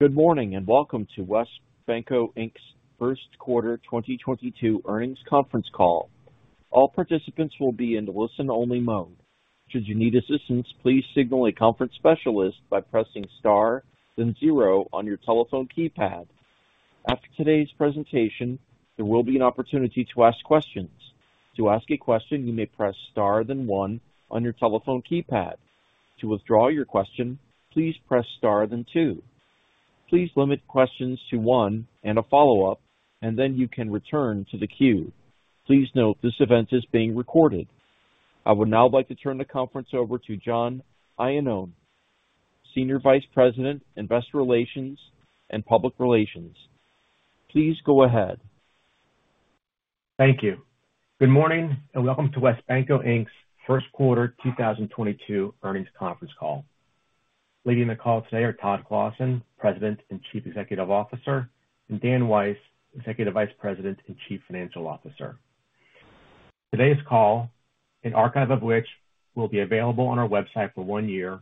Good morning, and welcome to WesBanco, Inc.'s Q1 2022 earnings conference call. All participants will be in listen only mode. Should you need assistance, please signal a conference specialist by pressing star, then zero on your telephone keypad. After today's presentation, there will be an opportunity to ask questions. To ask a question, you may press star then, one on your telephone keypad. To withdraw your question, please press star then two. Please limit questions to one and a follow-up, and then you can return to the queue. Please note this event is being recorded. I would now like to turn the conference over to John Iannone, Senior Vice President, Investor Relations and Public Relations. Please go ahead. Thank you. Good morning, and welcome to WesBanco, Inc.'s Q1 2022 earnings conference call. Leading the call today are Todd Clossin, president and chief executive officer, and Dan Weiss, executive vice president and chief financial officer. Today's call, an archive of which will be available on our website for one year,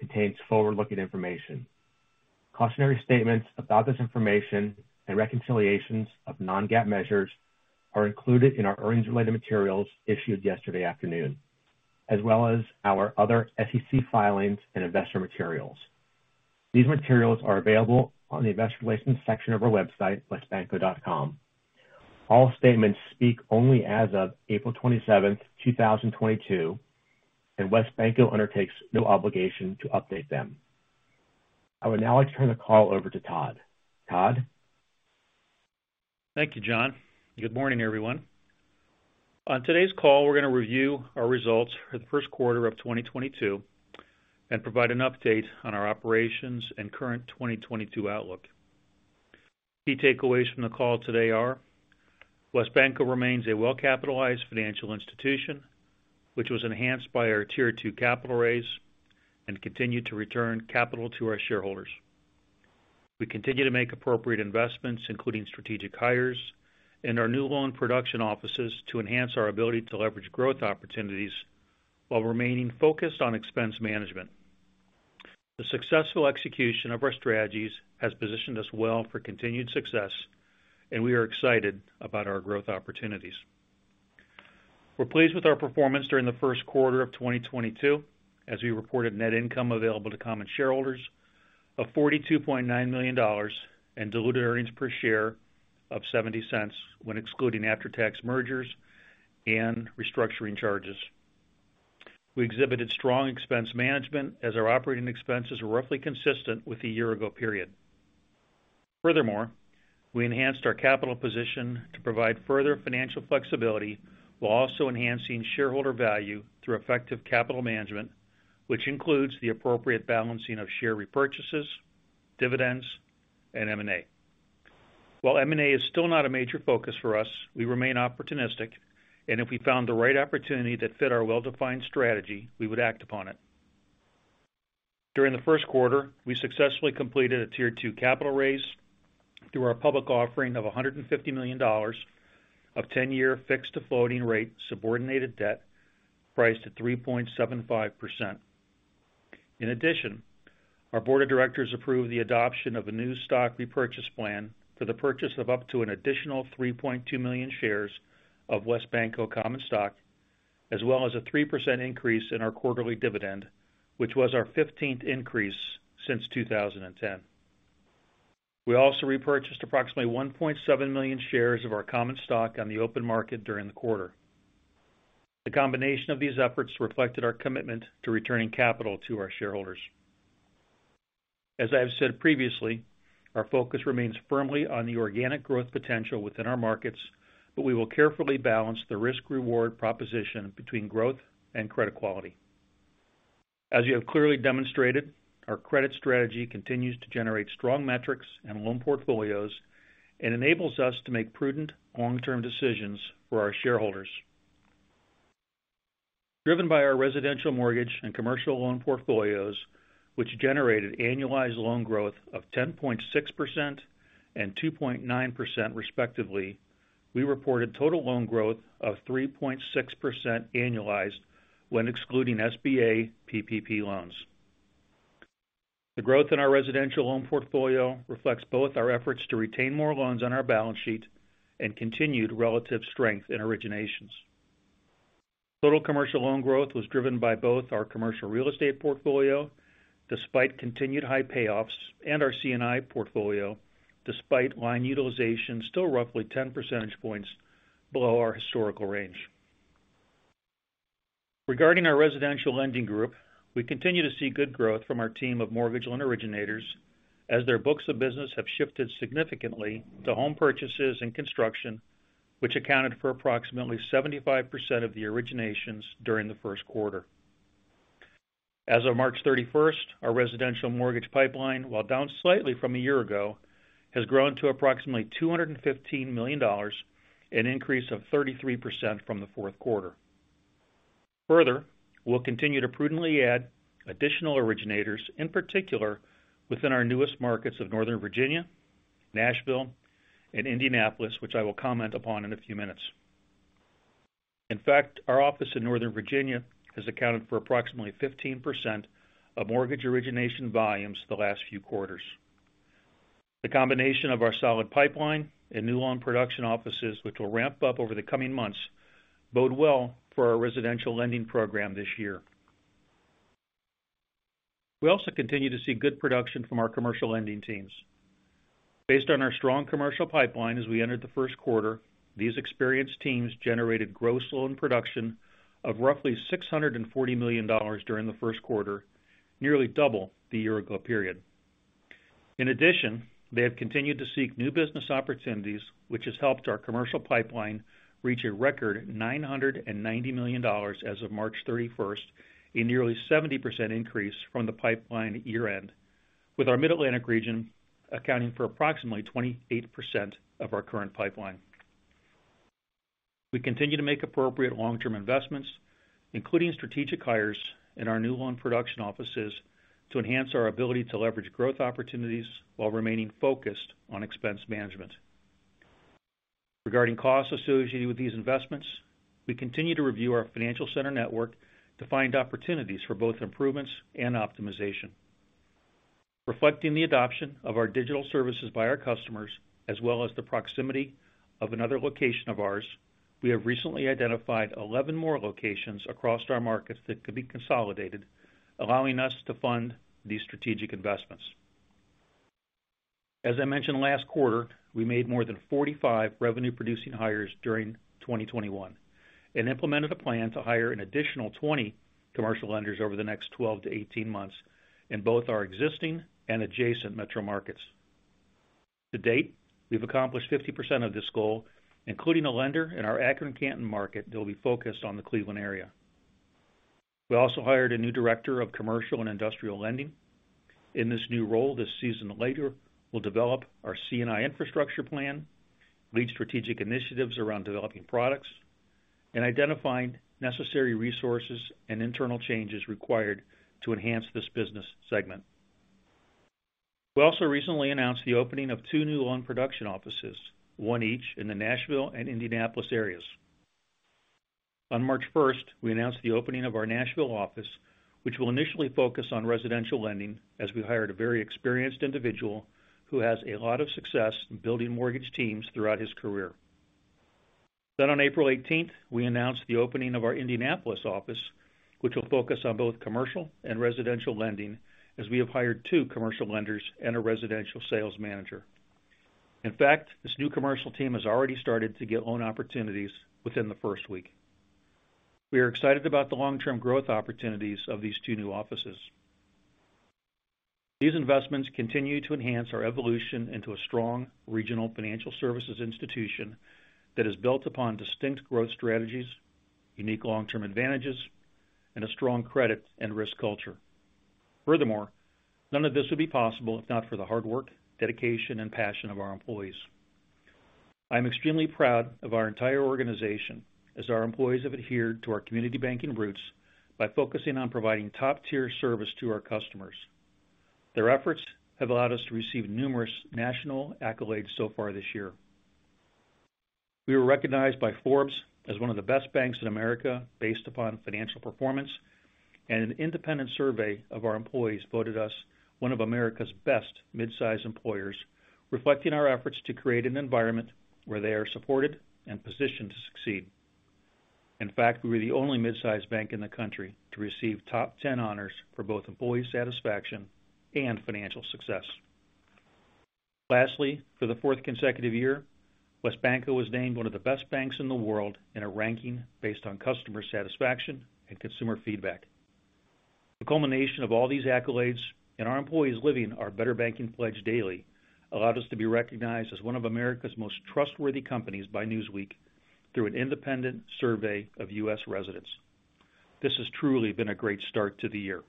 contains forward-looking information. Cautionary statements about this information and reconciliations of non-GAAP measures are included in our earnings-related materials issued yesterday afternoon, as well as our other SEC filings and investor materials. These materials are available on the investor relations section of our website, westbanco.com. All statements speak only as of April 27, 2022, and WesBanco undertakes no obligation to update them. I would now like to turn the call over to Todd. Todd? Thank you, John. Good morning, everyone. On today's call, we're gonna review our results for the Q1 of 2022 and provide an update on our operations and current 2022 outlook. Key takeaways from the call today are WesBanco remains a well-capitalized financial institution which was enhanced by our Tier 2 capital raise and continued to return capital to our shareholders. We continue to make appropriate investments, including strategic hires in our new loan production offices, to enhance our ability to leverage growth opportunities while remaining focused on expense management. The successful execution of our strategies has positioned us well for continued success, and we are excited about our growth opportunities. We're pleased with our performance during the Q1 of 2022, as we reported net income available to common shareholders of $42.9 million and diluted earnings per share of $0.70 when excluding after-tax mergers and restructuring charges. We exhibited strong expense management as our operating expenses were roughly consistent with the year-ago period. Furthermore, we enhanced our capital position to provide further financial flexibility while also enhancing shareholder value through effective capital management, which includes the appropriate balancing of share repurchases, dividends, and M&A. While M&A is still not a major focus for us, we remain opportunistic, and if we found the right opportunity that fit our well-defined strategy, we would act upon it. During the Q1, we successfully completed a Tier 2 capital raise through our public offering of $150 million of 10-year fixed-to-floating-rate subordinated debt priced at 3.75%. In addition, our board of directors approved the adoption of a new stock repurchase plan for the purchase of up to an additional 3.2 million shares of WesBanco common stock, as well as a 3% increase in our quarterly dividend, which was our 15th increase since 2010. We also repurchased approximately 1.7 million shares of our common stock on the open market during the quarter. The combination of these efforts reflected our commitment to returning capital to our shareholders. As I have said previously, our focus remains firmly on the organic growth potential within our markets, but we will carefully balance the risk-reward proposition between growth and credit quality. As we have clearly demonstrated, our credit strategy continues to generate strong metrics and loan portfolios and enables us to make prudent long-term decisions for our shareholders. Driven by our residential mortgage and commercial loan portfolios, which generated annualized loan growth of 10.6% and 2.9% respectively, we reported total loan growth of 3.6% annualized when excluding SBA PPP loans. The growth in our residential loan portfolio reflects both our efforts to retain more loans on our balance sheet and continued relative strength in originations. Total commercial loan growth was driven by both our commercial real estate portfolio despite continued high payoffs and our C&I portfolio despite line utilization still roughly 10 percentage points below our historical range. Regarding our residential lending group, we continue to see good growth from our team of mortgage loan originators as their books of business have shifted significantly to home purchases and construction, which accounted for approximately 75% of the originations during the first quarter. As of March thirty-first, our residential mortgage pipeline, while down slightly from a year ago, has grown to approximately $215 million, an increase of 33% from the Q4. Further, we'll continue to prudently add additional originators, in particular within our newest markets of Northern Virginia, Nashville, and Indianapolis, which I will comment upon in a few minutes. In fact, our office in Northern Virginia has accounted for approximately 15% of mortgage origination volumes the last few quarters. The combination of our solid pipeline and new loan production offices, which will ramp up over the coming months, bode well for our residential lending program this year. We also continue to see good production from our commercial lending teams. Based on our strong commercial pipeline as we entered the first quarter, these experienced teams generated gross loan production of roughly $640 million during the Q1, nearly double the year ago period. In addition, they have continued to seek new business opportunities, which has helped our commercial pipeline reach a record $990 million as of March 31st, a nearly 70% increase from the pipeline year-end, with our Mid-Atlantic region accounting for approximately 28% of our current pipeline. We continue to make appropriate long-term investments, including strategic hires in our new loan production offices, to enhance our ability to leverage growth opportunities while remaining focused on expense management. Regarding costs associated with these investments, we continue to review our financial center network to find opportunities for both improvements and optimization. Reflecting the adoption of our digital services by our customers, as well as the proximity of another location of ours, we have recently identified 11 more locations across our markets that could be consolidated, allowing us to fund these strategic investments. As I mentioned last quarter, we made more than 45 revenue producing hires during 2021 and implemented a plan to hire an additional 20 commercial lenders over the next 12-18 months in both our existing and adjacent metro markets. To date, we've accomplished 50% of this goal, including a lender in our Akron-Canton market that will be focused on the Cleveland area. We also hired a new director of commercial and industrial lending. In this new role, this seasoned leader will develop our C&I infrastructure plan, lead strategic initiatives around developing products, and identifying necessary resources and internal changes required to enhance this business segment. We also recently announced the opening of two new loan production offices, one each in the Nashville and Indianapolis areas. On March first, we announced the opening of our Nashville office, which will initially focus on residential lending as we hired a very experienced individual who has a lot of success in building mortgage teams throughout his career. On April 18th, we announced the opening of our Indianapolis office, which will focus on both commercial and residential lending as we have hired two commercial lenders and a residential sales manager. In fact, this new commercial team has already started to get loan opportunities within the first week. We are excited about the long-term growth opportunities of these two new offices. These investments continue to enhance our evolution into a strong regional financial services institution that is built upon distinct growth strategies, unique long-term advantages, and a strong credit and risk culture. Furthermore, none of this would be possible if not for the hard work, dedication, and passion of our employees. I'm extremely proud of our entire organization as our employees have adhered to our community banking roots by focusing on providing top-tier service to our customers. Their efforts have allowed us to receive numerous national accolades so far this year. We were recognized by Forbes as one of the best banks in America based upon financial performance, and an independent survey of our employees voted us one of America's best mid-size employers, reflecting our efforts to create an environment where they are supported and positioned to succeed. In fact, we were the only mid-size bank in the country to receive top ten honors for both employee satisfaction and financial success. Lastly, for the fourth consecutive year, WesBanco was named one of the best banks in the world in a ranking based on customer satisfaction and consumer feedback. The culmination of all these accolades and our employees living our better banking pledge daily allowed us to be recognized as one of America's most trustworthy companies by Newsweek through an independent survey of U.S. residents. This has truly been a great start to the year.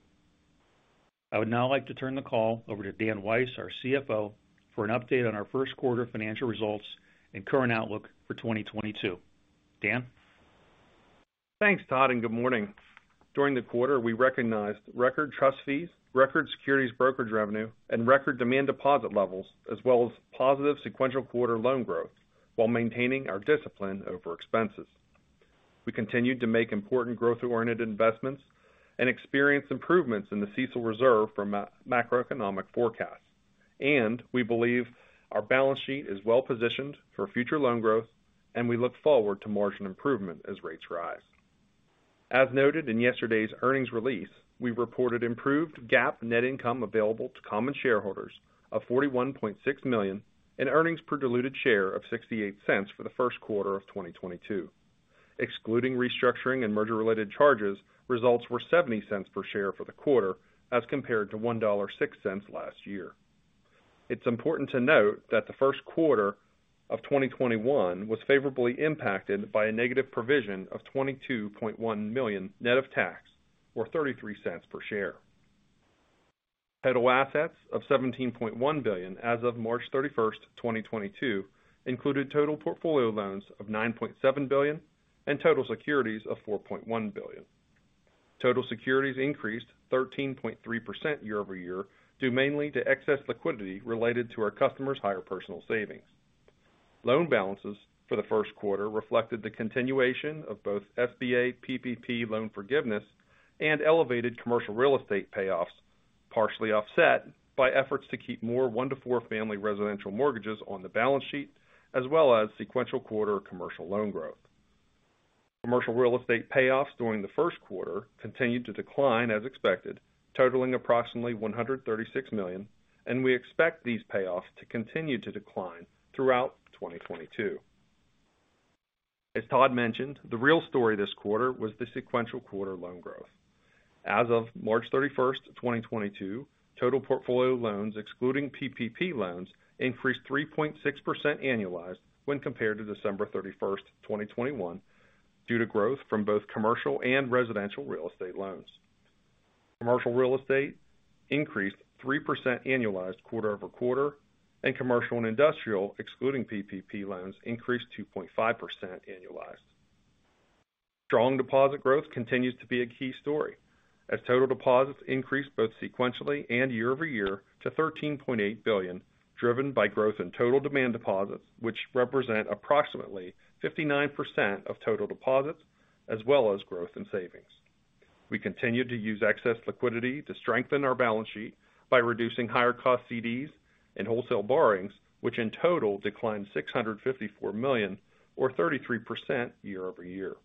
I would now like to turn the call over to Dan Weiss, our CFO, for an update on our first quarter financial results and current outlook for 2022. Dan? Thanks, Todd, and good morning. During the quarter, we recognized record trust fees, record securities brokerage revenue, and record demand deposit levels, as well as positive sequential quarter loan growth while maintaining our discipline over expenses. We continued to make important growth-oriented investments and experienced improvements in the CECL reserve from macroeconomic forecasts. We believe our balance sheet is well positioned for future loan growth, and we look forward to margin improvement as rates rise. As noted in yesterday's earnings release, we reported improved GAAP net income available to common shareholders of $41.6 million and earnings per diluted share of $0.68 for the Q1 of 2022. Excluding restructuring and merger related charges, results were $0.70 per share for the quarter as compared to $1.06 last year. It's important to note that the Q1 of 2021 was favorably impacted by a negative provision of $22.1 million net of tax, or $0.33 per share. Total assets of $17.1 billion as of March 31st, 2022, included total portfolio loans of $9.7 billion and total securities of $4.1 billion. Total securities increased 13.3% year-over-year, due mainly to excess liquidity related to our customers' higher personal savings. Loan balances for the Q1 reflected the continuation of both SBA PPP loan forgiveness and elevated commercial real estate payoffs, partially offset by efforts to keep more one-four family residential mortgages on the balance sheet, as well as sequential quarter commercial loan growth. Commercial real estate payoffs during the first quarter continued to decline as expected, totaling approximately $136 million, and we expect these payoffs to continue to decline throughout 2022. As Todd mentioned, the real story this quarter was the sequential quarter loan growth. As of March 31st, 2022, total portfolio loans excluding PPP loans increased 3.6% annualized when compared to December 31st, 2021, due to growth from both commercial and residential real estate loans. Commercial real estate increased 3% annualized quarter-over-quarter, and commercial and industrial, excluding PPP loans, increased 2.5% annualized. Strong deposit growth continues to be a key story as total deposits increased both sequentially and year-over-year to $13.8 billion, driven by growth in total demand deposits, which represent approximately 59% of total deposits as well as growth in savings. We continued to use excess liquidity to strengthen our balance sheet by reducing higher cost CDs and wholesale borrowings, which in total declined $654 million or 33% year-over-year.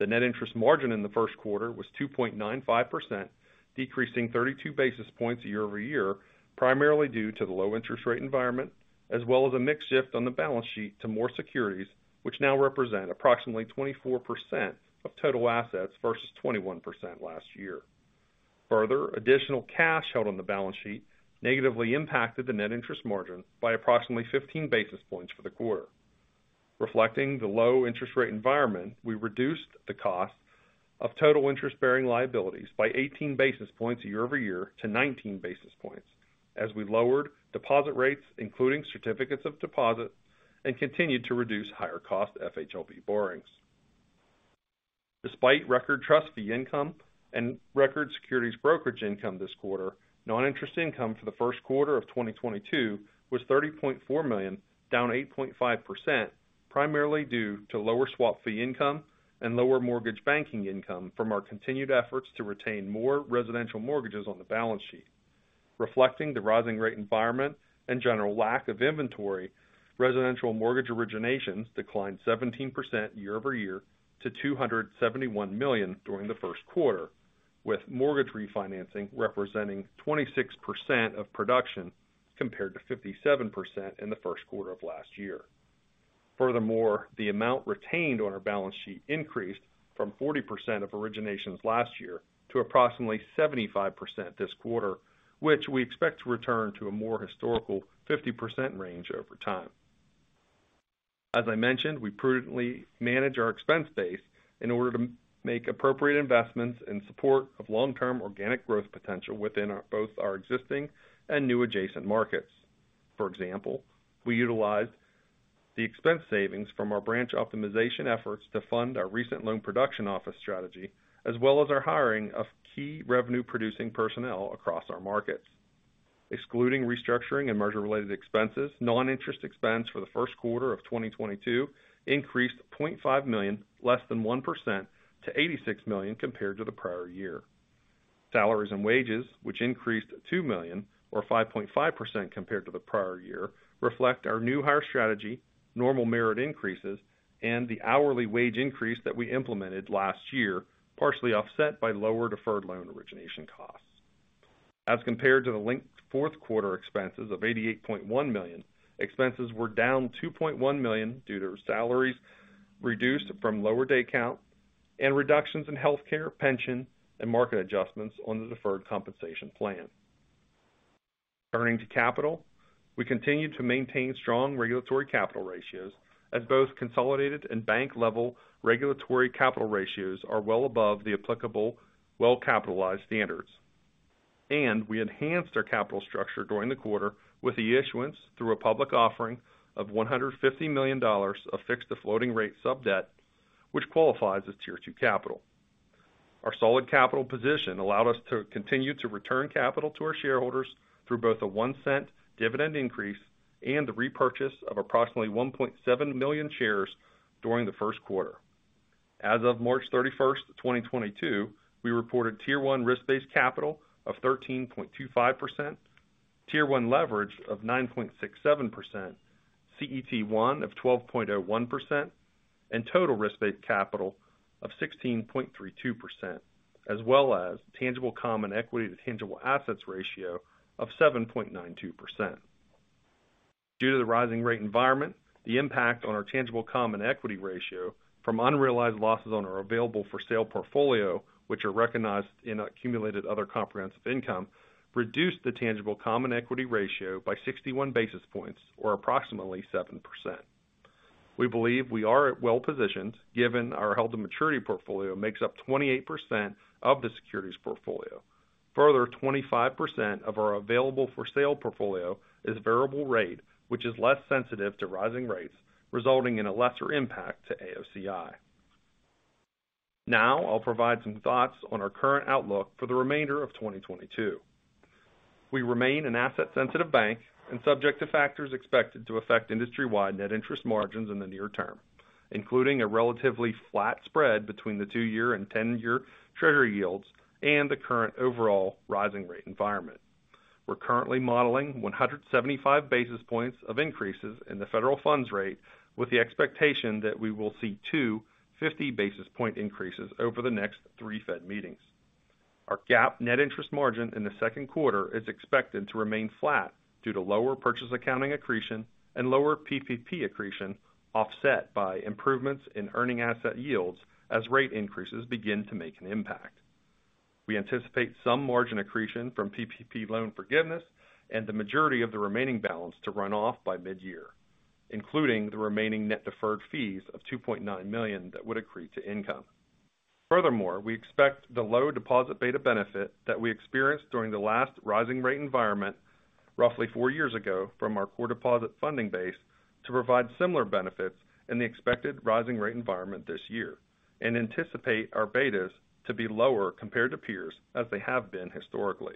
The net interest margin in the first quarter was 2.95%, decreasing 32 basis points year-over-year, primarily due to the low interest rate environment as well as a mix shift on the balance sheet to more securities, which now represent approximately 24% of total assets versus 21% last year. Further additional cash held on the balance sheet negatively impacted the net interest margin by approximately 15 basis points for the quarter. Reflecting the low interest rate environment, we reduced the cost of total interest bearing liabilities by 18 basis points year-over-year to 19 basis points as we lowered deposit rates, including certificates of deposit and continued to reduce higher cost FHLB borrowings. Despite record trust fee income and record securities brokerage income this quarter, non-interest income for the Q1 of 2022 was $30.4 million, down 8.5% primarily due to lower swap fee income and lower mortgage banking income from our continued efforts to retain more residential mortgages on the balance sheet. Reflecting the rising rate environment and general lack of inventory, residential mortgage originations declined 17% year-over-year to $271 million during the Q1, with mortgage refinancing representing 26% of production, compared to 57% in the first quarter of last year. Furthermore, the amount retained on our balance sheet increased from 40% of originations last year to approximately 75% this quarter, which we expect to return to a more historical 50% range over time. As I mentioned, we prudently manage our expense base in order to make appropriate investments in support of long term organic growth potential within both our existing and new adjacent markets. For example, we utilized the expense savings from our branch optimization efforts to fund our recent loan production office strategy, as well as our hiring of key revenue producing personnel across our markets. Excluding restructuring and merger related expenses, non-interest expense for the Q1 of 2022 increased $0.5 million, less than 1% to $86 million compared to the prior year. Salaries and wages, which increased $2 million or 5.5% compared to the prior year, reflect our new hire strategy, normal merit increases, and the hourly wage increase that we implemented last year, partially offset by lower deferred loan origination costs. As compared to the linked Q4 expenses of $88.1 million, expenses were down $2.1 million due to salaries reduced from lower day count and reductions in healthcare, pension, and market adjustments on the deferred compensation plan. Turning to capital, we continue to maintain strong regulatory capital ratios as both consolidated and bank-level regulatory capital ratios are well above the applicable well-capitalized standards. We enhanced our capital structure during the quarter with the issuance through a public offering of $150 million of fixed-to-floating-rate sub-debt, which qualifies as Tier 2 capital. Our solid capital position allowed us to continue to return capital to our shareholders through both a $0.01 dividend increase and the repurchase of approximately 1.7 million shares during the first quarter. As of March 31st, 2022, we reported Tier 1 risk-based capital of 13.25%. Tier 1 leverage of 9.67%, CET1 of 12.01% and total risk-based capital of 16.32%, as well as tangible common equity to tangible assets ratio of 7.92%. Due to the rising rate environment, the impact on our tangible common equity ratio from unrealized losses on our available-for-sale portfolio, which are recognized in accumulated other comprehensive income, reduced the tangible common equity ratio by 61 basis points or approximately 7%. We believe we are well positioned given our held-to-maturity portfolio makes up 28% of the securities portfolio. Further, 25% of our available-for-sale portfolio is variable rate, which is less sensitive to rising rates, resulting in a lesser impact to AOCI. Now, I'll provide some thoughts on our current outlook for the remainder of 2022. We remain an asset-sensitive bank and subject to factors expected to affect industry-wide net interest margins in the near term, including a relatively flat spread between the two-year and 10-year Treasury yields and the current overall rising rate environment. We're currently modeling 175 basis points of increases in the federal funds rate, with the expectation that we will see 250 basis point increases over the next three Fed meetings. Our GAAP net interest margin in the second quarter is expected to remain flat due to lower purchase accounting accretion and lower PPP accretion, offset by improvements in earning asset yields as rate increases begin to make an impact. We anticipate some margin accretion from PPP loan forgiveness and the majority of the remaining balance to run off by mid-year, including the remaining net deferred fees of $2.9 million that would accrete to income. Furthermore, we expect the low deposit beta benefit that we experienced during the last rising rate environment roughly four years ago from our core deposit funding base to provide similar benefits in the expected rising rate environment this year and anticipate our betas to be lower compared to peers as they have been historically.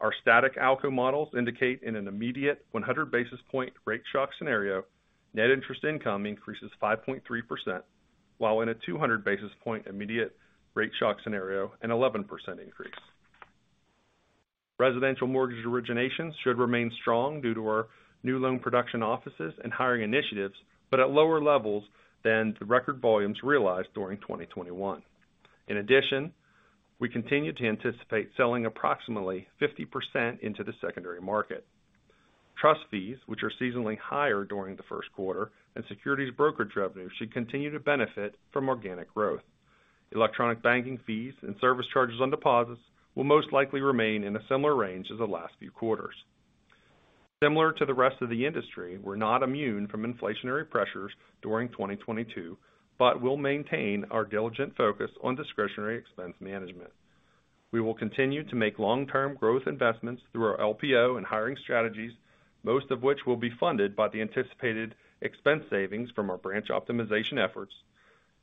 Our static ALCO models indicate in an immediate 100 basis point rate shock scenario, net interest income increases 5.3%, while in a 200 basis point immediate rate shock scenario, an 11% increase. Residential mortgage originations should remain strong due to our new loan production offices and hiring initiatives, but at lower levels than the record volumes realized during 2021. In addition, we continue to anticipate selling approximately 50% into the secondary market. Trust fees, which are seasonally higher during the Q1 and securities brokerage revenue, should continue to benefit from organic growth. Electronic banking fees and service charges on deposits will most likely remain in a similar range as the last few quarters. Similar to the rest of the industry, we're not immune from inflationary pressures during 2022, but we'll maintain our diligent focus on discretionary expense management. We will continue to make long-term growth investments through our LPO and hiring strategies, most of which will be funded by the anticipated expense savings from our branch optimization efforts.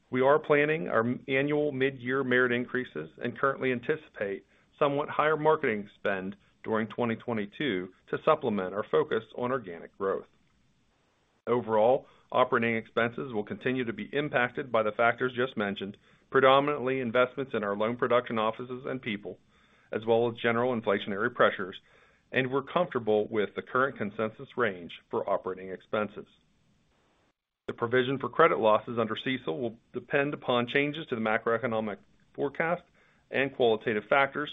We are planning our annual mid-year merit increases and currently anticipate somewhat higher marketing spend during 2022 to supplement our focus on organic growth. Overall, operating expenses will continue to be impacted by the factors just mentioned, predominantly investments in our loan production offices and people, as well as general inflationary pressures, and we're comfortable with the current consensus range for operating expenses. The provision for credit losses under CECL will depend upon changes to the macroeconomic forecast and qualitative factors,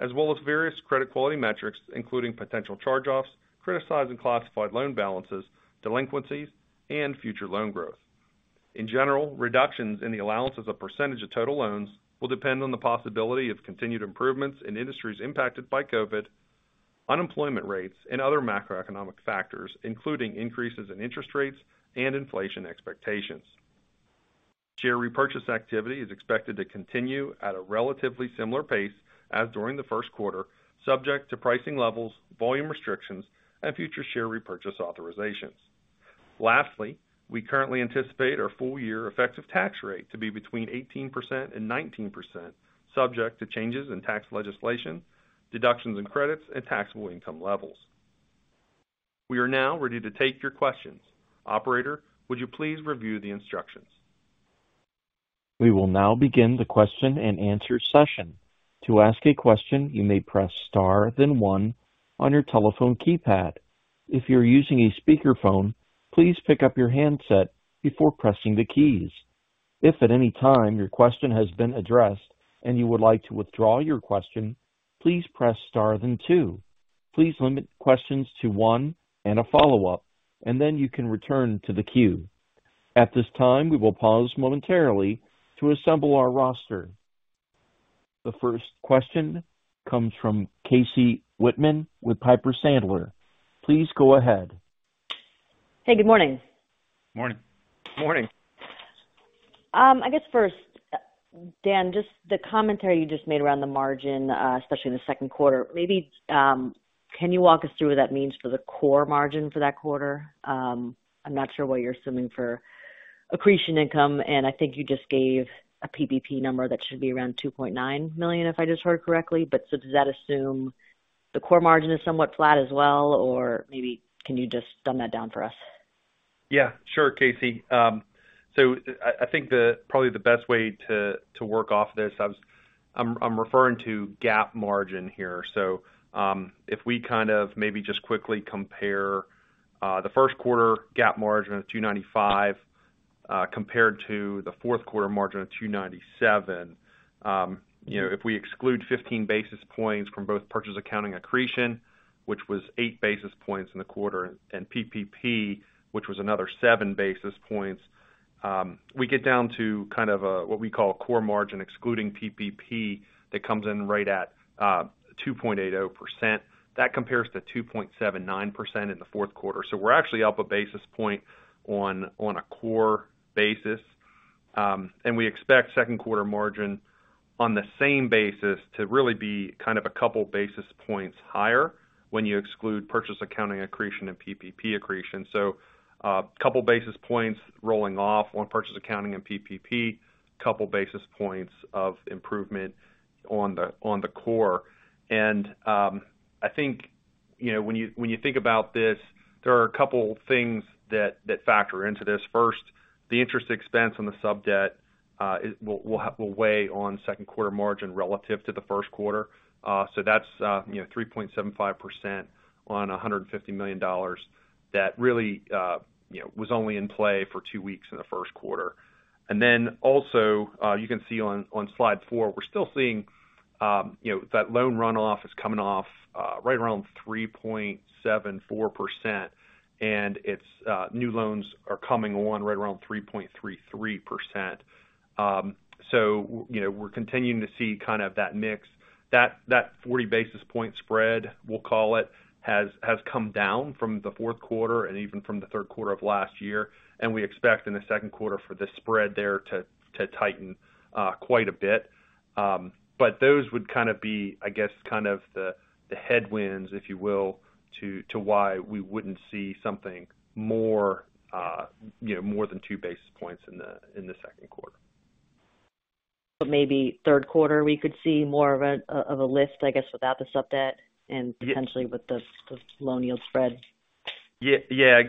as well as various credit quality metrics, including potential charge-offs, criticized and classified loan balances, delinquencies, and future loan growth. In general, reductions in the allowances of percentage of total loans will depend on the possibility of continued improvements in industries impacted by COVID, unemployment rates, and other macroeconomic factors, including increases in interest rates and inflation expectations. Share repurchase activity is expected to continue at a relatively similar pace as during the Q1, subject to pricing levels, volume restrictions, and future share repurchase authorizations. Lastly, we currently anticipate our full year effective tax rate to be between 18% and 19% subject to changes in tax legislation, deductions and credits, and taxable income levels. We are now ready to take your questions. Operator, would you please review the instructions? We will now begin the question-and-answer session. To ask a question, you may press star, then one on your telephone keypad. If you're using a speakerphone, please pick up your handset before pressing the keys. If at any time your question has been addressed and you would like to withdraw your question, please press star then two. Please limit questions to one and a follow-up, and then you can return to the queue. At this time, we will pause momentarily to assemble our roster. The first question comes from Casey Whitman with Piper Sandler. Please go ahead. Hey, good morning. Morning. Morning. I guess first, Dan, just the commentary you just made around the margin, especially in the second quarter, maybe, can you walk us through what that means for the core margin for that quarter? I'm not sure what you're assuming for accretion income, and I think you just gave a PPP number that should be around $2.9 million, if I just heard correctly. Does that assume the core margin is somewhat flat as well? Or maybe can you just dumb that down for us? Yeah, sure, Casey. I think probably the best way to work off this, I'm referring to GAAP margin here. If we kind of maybe just quickly compare the Q1 GAAP margin of 2.95%, compared to the Q4 margin of 2.97%, you know, if we exclude 15 basis points from both purchase accounting accretion, which was 8 basis points in the quarter, and PPP, which was another 7 basis points, we get down to kind of a what we call a core margin excluding PPP that comes in right at 2.80%. That compares to 2.79% in the fourth quarter. We're actually up a basis point on a core basis. We expect second quarter margin on the same basis to really be kind of a couple basis points higher when you exclude purchase accounting accretion and PPP accretion. Couple basis points rolling off on purchase accounting and PPP, couple basis points of improvement on the core. I think, you know, when you think about this, there are a couple things that factor into this. First, the interest expense on the sub-debt will weigh on second quarter margin relative to the Q1. That's, you know, 3.75% on $150 million that really, you know, was only in play for two weeks in the Q1. You can see on slide four, we're still seeing, you know, that loan runoff is coming off right around 3.74%. Its new loans are coming on right around 3.33%. You know, we're continuing to see kind of that mix. That 40 basis point spread, we'll call it, has come down from the Q4 and even from the Q3 of last year. We expect in the Q2 for the spread there to tighten quite a bit. Those would kind of be, I guess, kind of the headwinds, if you will, to why we wouldn't see something more, you know, more than 2 basis points in the second quarter. Maybe Q3, we could see more of a lift, I guess, without the sub-debt and. Yeah. Potentially with the loan yield spread? Yeah.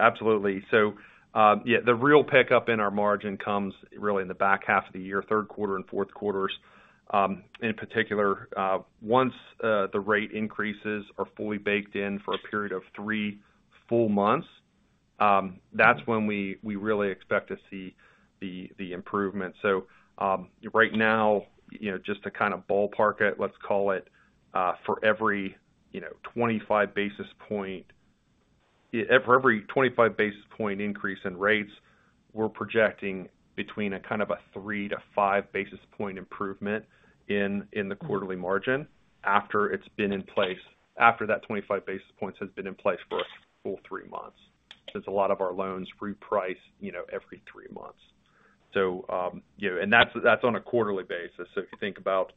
Absolutely. The real pickup in our margin comes really in the back half of the year, third quarter and fourth quarters. In particular, once the rate increases are fully baked in for a period of three full months, that's when we really expect to see the improvement. Right now, you know, just to kind of ballpark it, let's call it for every 25 basis point increase in rates. We're projecting between a kind of a 3-5 basis point improvement in the quarterly margin after that 25 basis points has been in place for a full three months. Since a lot of our loans reprice, you know, every three months. You know, that's on a quarterly basis. If you think about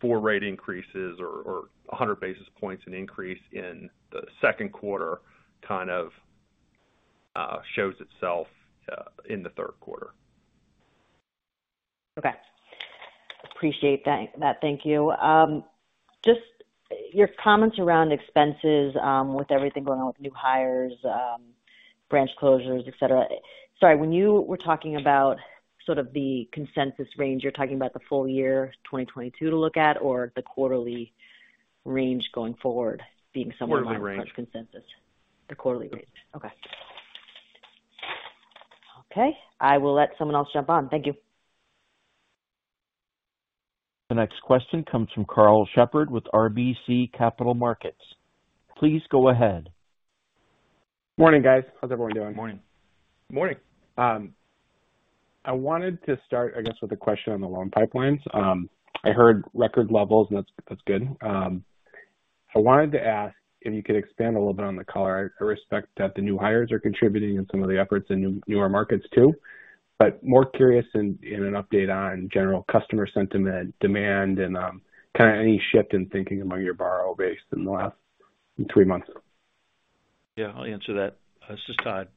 four rate increases or 100 basis points increase in the Q2, kind of shows itself in the Q3. Okay. Appreciate that. Thank you. Just your comments around expenses, with everything going on with new hires, branch closures, et cetera. Sorry, when you were talking about sort of the consensus range, you're talking about the full year 2022 to look at or the quarterly range going forward being somewhere- Quarterly range. Like current consensus. The quarterly range. Okay. Okay, I will let someone else jump on. Thank you. The next question comes from Karl Shepard with RBC Capital Markets. Please go ahead. Morning, guys. How's everyone doing? Morning. Morning. I wanted to start, I guess, with a question on the loan pipelines. I heard record levels, and that's good. I wanted to ask if you could expand a little bit on the color. I respect that the new hires are contributing in some of the efforts in newer markets too, but more curious in an update on general customer sentiment, demand, and kind of any shift in thinking among your borrower base in the last three months. Yeah, I'll answer that. This is Todd.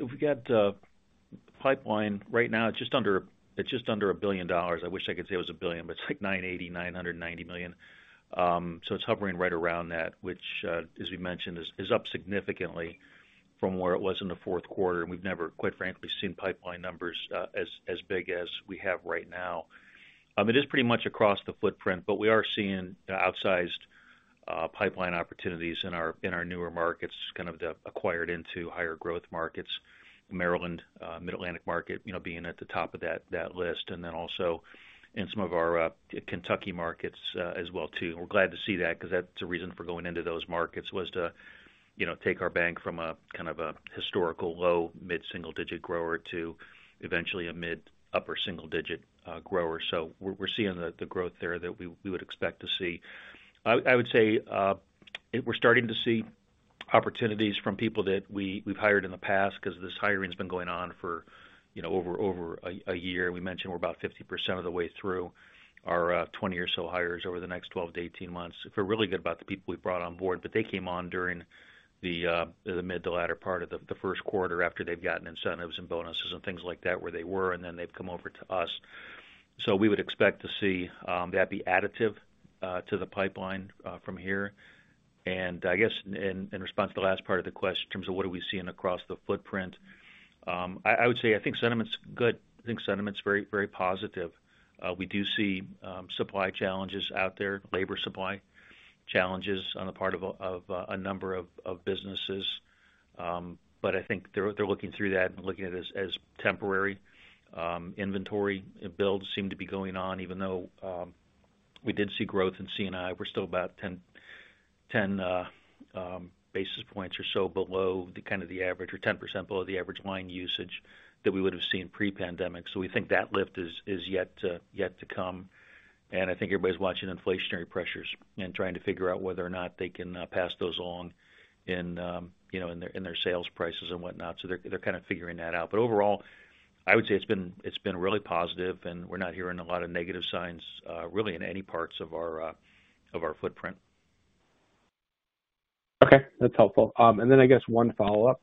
We got pipeline right now it's just under a billion dollars. I wish I could say it was a billion, but it's like $980, $990 million. So it's hovering right around that, which, as we mentioned, is up significantly from where it was in the Q4. We've never, quite frankly, seen pipeline numbers as big as we have right now. It is pretty much across the footprint, but we are seeing outsized pipeline opportunities in our newer markets, kind of the acquired into higher growth markets. Maryland, Mid-Atlantic market, you know, being at the top of that list, and then also in some of our Kentucky markets as well too. We're glad to see that because that's a reason for going into those markets was to, you know, take our bank from a kind of a historical low, mid-single digit grower to eventually a mid-upper single-digit grower. We're seeing the growth there that we would expect to see. I would say we're starting to see opportunities from people that we've hired in the past because this hiring has been going on for, you know, over a year. We mentioned we're about 50% of the way through our 20 or so hires over the next 12-18 months. Feel really good about the people we've brought on board, but they came on during the mid to latter part of the first quarter after they've gotten incentives and bonuses and things like that where they were, and then they've come over to us. We would expect to see that be additive to the pipeline from here. I guess in response to the last part of the question in terms of what are we seeing across the footprint. I would say I think sentiment is good. I think sentiment is very, very positive. We do see supply challenges out there, labor supply challenges on the part of a number of businesses. I think they're looking through that and looking at it as temporary. Inventory builds seem to be going on, even though we did see growth in C&I. We're still about 10 basis points or so below the kind of the average or 10% below the average line usage that we would have seen pre-pandemic. We think that lift is yet to come. I think everybody's watching inflationary pressures and trying to figure out whether or not they can pass those along in, you know, in their sales prices and whatnot. They're kind of figuring that out. Overall, I would say it's been really positive, and we're not hearing a lot of negative signs really in any parts of our footprint. Okay, that's helpful. I guess one follow-up.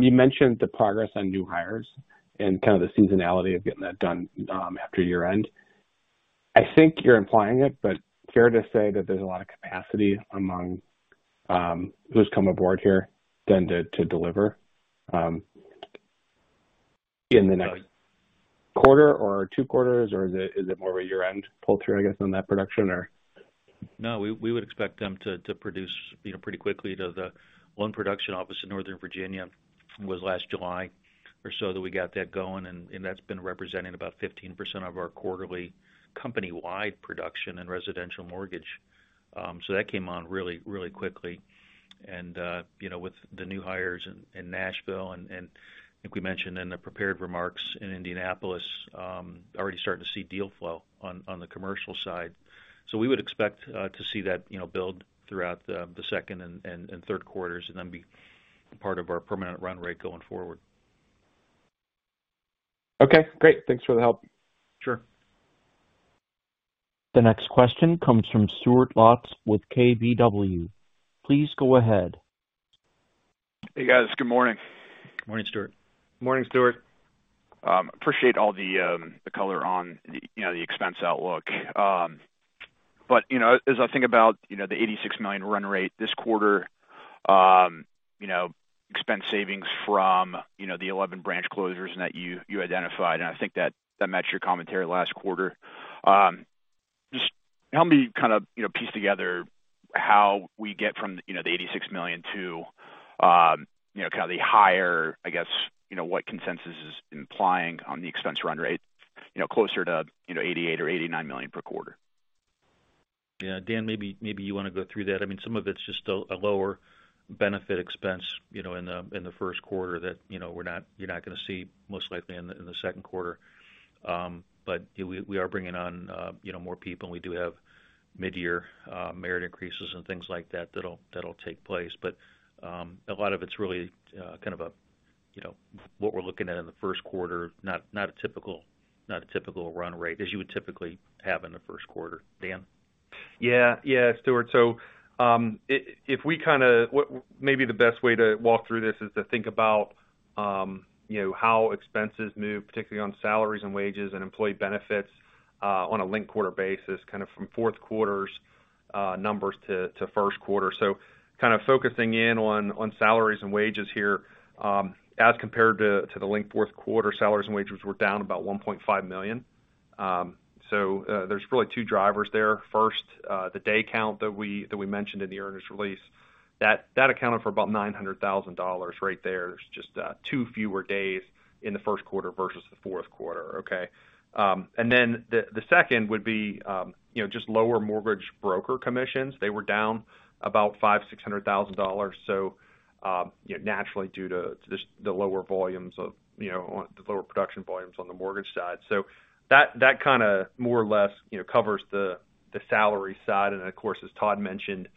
You mentioned the progress on new hires and kind of the seasonality of getting that done after year-end. I think you're implying it, but fair to say that there's a lot of capacity among who's come aboard here than to deliver in the next quarter or two quarters? Or is it more a year-end pull through, I guess, on that production or? No, we would expect them to produce, you know, pretty quickly. The one production office in Northern Virginia was last July or so that we got that going and that's been representing about 15% of our quarterly company-wide production and residential mortgage. So that came on really quickly. You know, with the new hires in Nashville, and I think we mentioned in the prepared remarks in Indianapolis, already starting to see deal flow on the commercial side. We would expect to see that, you know, build throughout the second and Q3s and then be part of our permanent run rate going forward. Okay, great. Thanks for the help. Sure. The next question comes from Stuart Lotz with KBW. Please go ahead. Hey, guys. Good morning. Morning, Stuart. Morning, Stuart. Appreciate all the color on, you know, the expense outlook. But you know, as I think about, you know, the $86 million run rate this quarter, you know, expense savings from, you know, the 11 branch closures that you identified, and I think that matched your commentary last quarter. Just help me kind of, you know, piece together how we get from, you know, the $86 million to, you know, kind of the higher, I guess, you know, what consensus is implying on the expense run rate, you know, closer to, you know, $88 or $89 million per quarter. Yeah. Dan, maybe you want to go through that. I mean, some of it's just a lower benefit expense, you know, in the Q1 that, you know, we're not you're not going to see most likely in the second quarter. But we are bringing on, you know, more people, and we do have mid-year merit increases and things like that that'll take place. A lot of it's really kind of a, you know, what we're looking at in the Q1, not a typical run rate as you would typically have in the Q1. Dan? Yeah. Yeah, Stuart. If we kind of maybe the best way to walk through this is to think about, you know, how expenses move, particularly on salaries and wages and employee benefits, on a linked quarter basis, kind of from Q4's numbers to Q1. Focusing in on salaries and wages here, as compared to the linked Q4, salaries and wages were down about $1.5 million. So, there's really two drivers there. First, the day count that we mentioned in the earnings release, that accounted for about $900,000 right there. There's just two fewer days in the Q1 versus the Q4, okay? And then the second would be, you know, just lower mortgage broker commissions. They were down about $500,000-$600,000. You know, naturally due to just the lower volumes of, you know, the lower production volumes on the mortgage side. That kind of more or less, you know, covers the salary side. Of course, as Todd mentioned,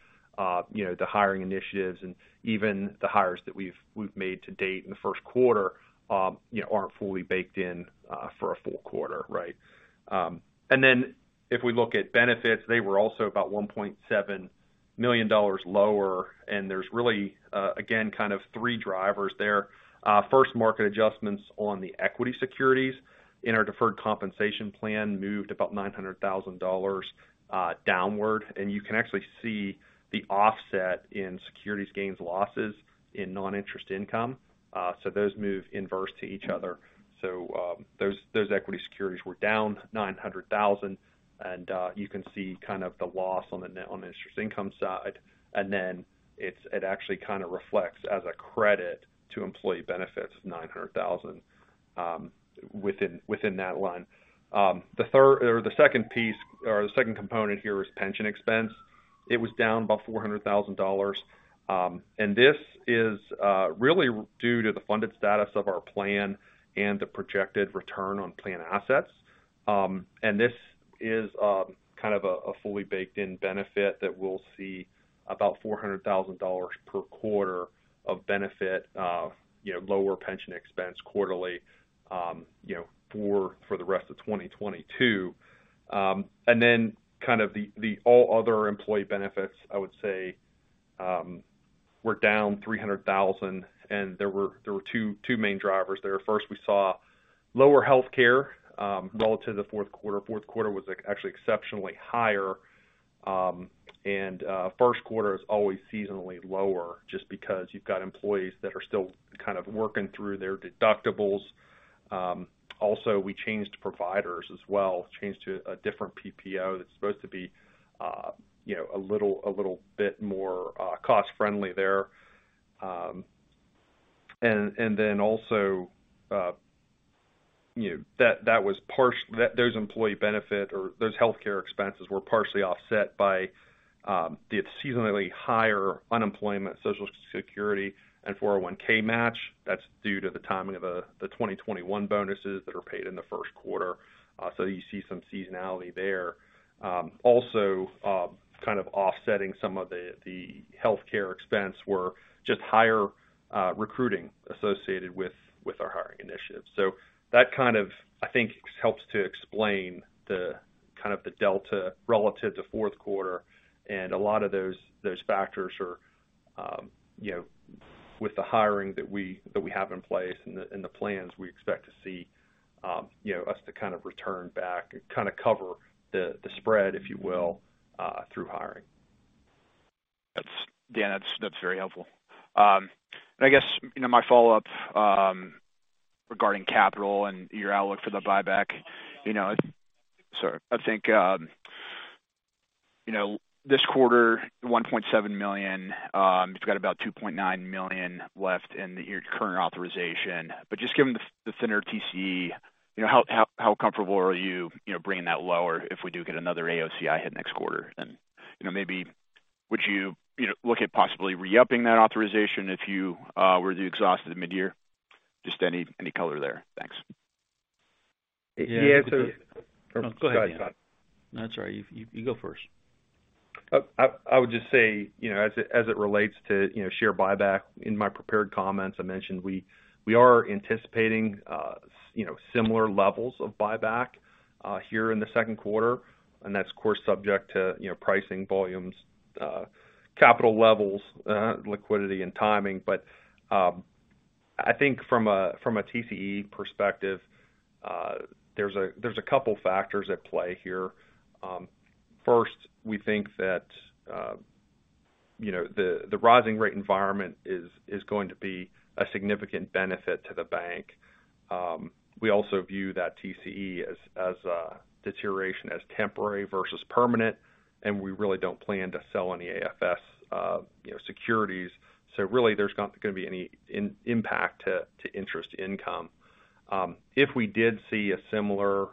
you know, the hiring initiatives and even the hires that we've made to date in the Q1, you know, aren't fully baked in for a full quarter, right? Then if we look at benefits, they were also about $1.7 million lower. There's really, again, kind of three drivers there. First, market adjustments on the equity securities in our deferred compensation plan moved about $900,000 downward. You can actually see the offset in securities gains losses in non-interest income. Those move inversely to each other. Those equity securities were down $900,000. You can see kind of the loss on the net interest income side. It actually kind of reflects as a credit to employee benefits, $900,000 within that line. The third or the second piece or the second component here is pension expense. It was down about $400,000. This is really due to the funded status of our plan and the projected return on plan assets. This is kind of a fully baked-in benefit that we'll see about $400,000 per quarter of benefit, you know, lower pension expense quarterly, you know, for the rest of 2022. Then kind of the all other employee benefits, I would say, were down $300,000, and there were two main drivers there. First, we saw lower healthcare relative to the fourth quarter. Q4 was actually exceptionally higher. Q1 is always seasonally lower just because you've got employees that are still kind of working through their deductibles. Also, we changed providers as well, changed to a different PPO that's supposed to be, you know, a little bit more cost-friendly there. Then also, you know, that was part, that those employee benefit or those healthcare expenses were partially offset by. It's seasonally higher unemployment, Social Security, and 401 match. That's due to the timing of the 2021 bonuses that are paid in the Q1. You see some seasonality there. Also, kind of offsetting some of the healthcare expense were just higher recruiting associated with our hiring initiatives. That kind of, I think, helps to explain the kind of the delta relative to fourth quarter. A lot of those factors are, you know, with the hiring that we have in place and the plans we expect to see, you know, us to kind of return back, kind of cover the spread, if you will, through hiring. Dan Weiss, that's very helpful. I guess, you know, my follow-up regarding capital and your outlook for the buyback, you know, so I think, you know, this quarter, $1.7 million, you've got about $2.9 million left in your current authorization. Just given the thinner TCE, you know, how comfortable are you know, bringing that lower if we do get another AOCI hit next quarter? You know, maybe would you know, look at possibly re-upping that authorization if you were to exhaust it at mid-year? Just any color there. Thanks. Yeah. Yeah. Go ahead. Sorry. No, that's all right. You go first. I would just say, you know, as it relates to, you know, share buyback in my prepared comments, I mentioned we are anticipating, you know, similar levels of buyback, here in the Q2, and that's of course subject to, you know, pricing volumes, capital levels, liquidity and timing. I think from a TCE perspective, there's a couple factors at play here. First, we think that, you know, the rising rate environment is going to be a significant benefit to the bank. We also view that TCE as deterioration as temporary versus permanent, and we really don't plan to sell any AFS securities. Really there's not gonna be any impact to interest income. If we did see a similar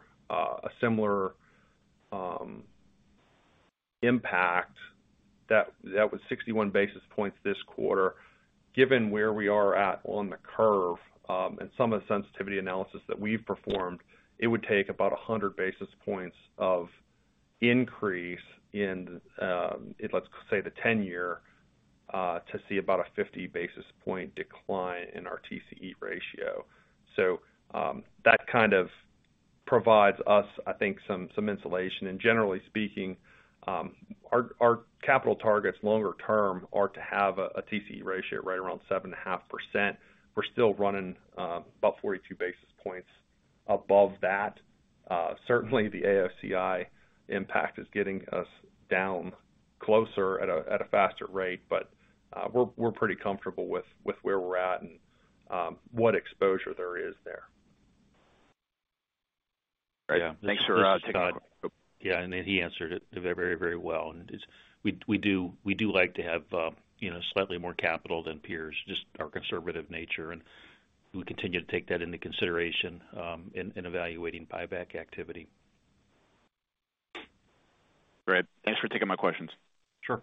impact that was 61 basis points this quarter. Given where we are at on the curve, and some of the sensitivity analysis that we've performed, it would take about 100 basis points of increase in, let's say, the 10-year, to see about a 50 basis point decline in our TCE ratio. That kind of provides us, I think, some insulation. Generally speaking, our capital targets longer term are to have a TCE ratio right around 7.5%. We're still running about 42 basis points above that. Certainly the AOCI impact is getting us down closer at a faster rate. We're pretty comfortable with where we're at and what exposure there is there. Great. Thanks for Yeah. He answered it very, very well. It's we do like to have, you know, slightly more capital than peers, just our conservative nature, and we continue to take that into consideration in evaluating buyback activity. Great. Thanks for taking my questions. Sure.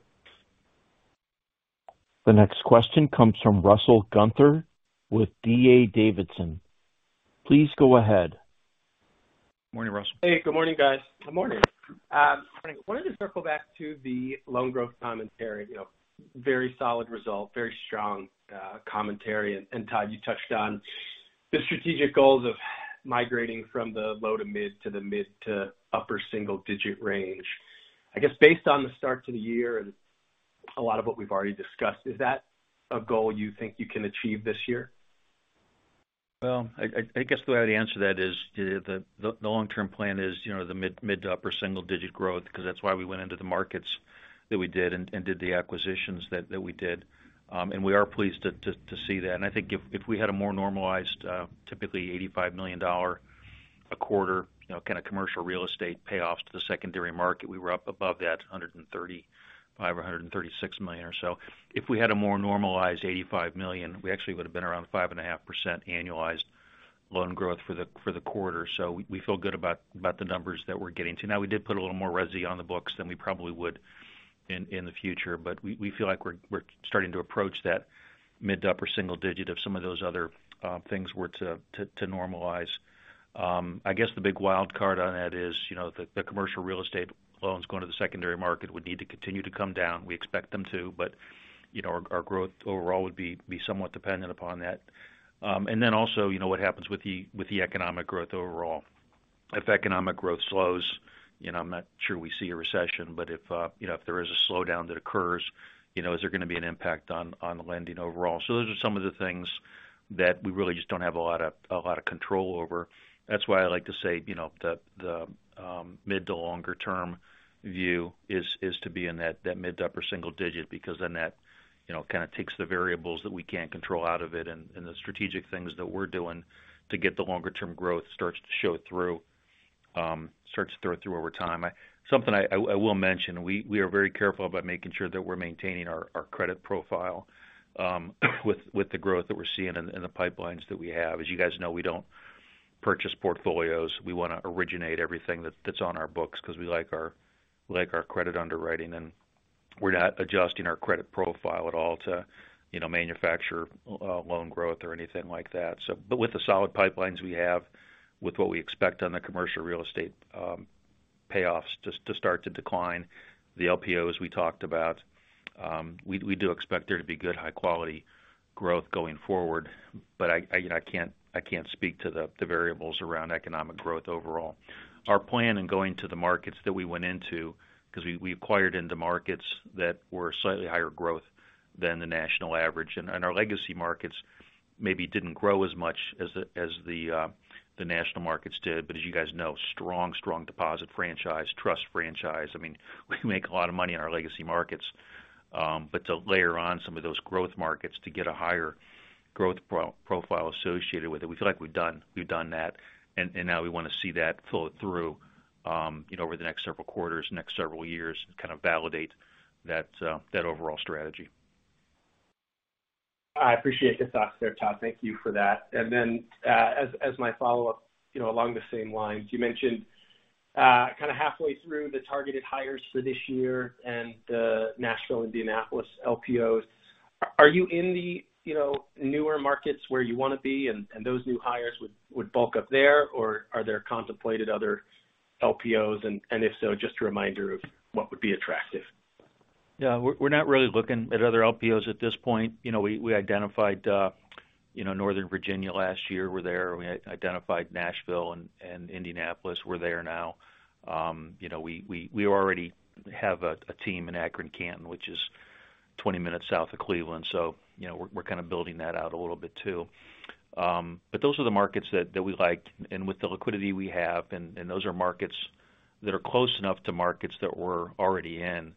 The next question comes from Russell Gunther with D.A. Davidson. Please go ahead. Morning, Russell. Hey, good morning, guys. Good morning. I wanted to circle back to the loan growth commentary. You know, very solid result, very strong, commentary. Todd, you touched on the strategic goals of migrating from the low to mid to the mid to upper single digit range. I guess based on the start to the year and a lot of what we've already discussed, is that a goal you think you can achieve this year? Well, I guess the way I'd answer that is the long-term plan is, you know, the mid to upper single digit growth because that's why we went into the markets that we did and did the acquisitions that we did. We are pleased to see that. I think if we had a more normalized, typically $85 million a quarter, you know, kind of commercial real estate payoffs to the secondary market, we were up above that $135 million or $136 million or so. If we had a more normalized $85 million, we actually would have been around 5.5% annualized loan growth for the quarter. We feel good about the numbers that we're getting to now. We did put a little more resi on the books than we probably would in the future, but we feel like we're starting to approach that mid to upper single digit if some of those other things were to normalize. I guess the big wild card on that is, you know, the commercial real estate loans going to the secondary market would need to continue to come down. We expect them to, but you know, our growth overall would be somewhat dependent upon that. What happens with the economic growth overall. If economic growth slows, you know, I'm not sure we see a recession, but if you know, if there is a slowdown that occurs, you know, is there gonna be an impact on the lending overall? Those are some of the things that we really just don't have a lot of control over. That's why I like to say, the mid to longer term view is to be in that mid to upper single digit, because then that kind of takes the variables that we can't control out of it and the strategic things that we're doing to get the longer term growth starts to show through over time. Something I will mention, we are very careful about making sure that we're maintaining our credit profile with the growth that we're seeing in the pipelines that we have. As you guys know, we don't purchase portfolios. We want to originate everything that's on our books because we like our credit underwriting, and we're not adjusting our credit profile at all to, you know, manufacture loan growth or anything like that. With the solid pipelines we have, with what we expect on the commercial real estate, payoffs to start to decline, the LPOs we talked about, we do expect there to be good high-quality growth going forward. I, you know, I can't speak to the variables around economic growth overall. Our plan in going to the markets that we went into, because we acquired into markets that were slightly higher growth than the national average. Our legacy markets maybe didn't grow as much as the national markets did. As you guys know, strong deposit franchise, trust franchise. I mean, we make a lot of money in our legacy markets. To layer on some of those growth markets to get a higher growth profile associated with it, we feel like we've done that, and now we want to see that flow through, you know, over the next several quarters, next several years, kind of validate that overall strategy. I appreciate your thoughts there, Todd. Thank you for that. As my follow-up, you know, along the same lines, you mentioned kind of halfway through the targeted hires for this year and the Nashville, Indianapolis LPOs. Are you in the, you know, newer markets where you want to be and those new hires would bulk up there? Or are there contemplated other LPOs? If so, just a reminder of what would be attractive. Yeah, we're not really looking at other LPOs at this point. You know, we identified Northern Virginia last year. We're there. We identified Nashville and Indianapolis. We're there now. You know, we already have a team in Akron-Canton, which is 20 minutes south of Cleveland. You know, we're kind of building that out a little bit too. But those are the markets that we liked. With the liquidity we have, and those are markets that are close enough to markets that we're already in,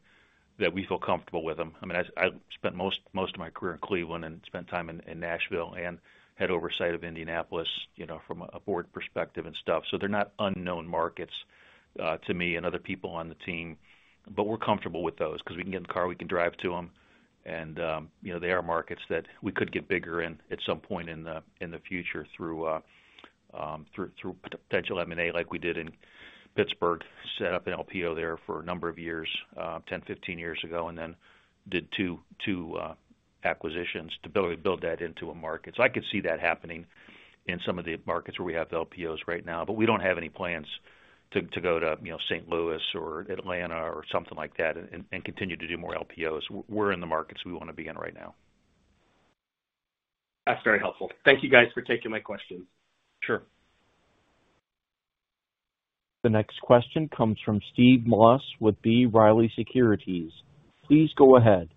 that we feel comfortable with them. I mean, I spent most of my career in Cleveland and spent time in Nashville and had oversight of Indianapolis, you know, from a board perspective and stuff. They're not unknown markets to me and other people on the team, but we're comfortable with those because we can get in the car, we can drive to them. You know, they are markets that we could get bigger in at some point in the future through potential M&A like we did in Pittsburgh, set up an LPO there for a number of years, 10, 15 years ago, and then did two acquisitions to build that into a market. I could see that happening in some of the markets where we have LPOs right now. We don't have any plans to go to, you know, St. Louis or Atlanta or something like that and continue to do more LPOs. We're in the markets we want to be in right now. That's very helpful. Thank you guys for taking my questions. Sure. The next question comes from Steve Moss with B. Riley Securities. Please go ahead.